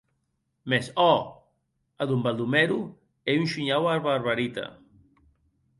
Mès òc a D. Baldomero e un shinhau a Barbarita.